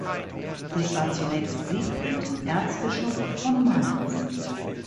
Dies war zunächst Siegfried, Erzbischof von Mainz.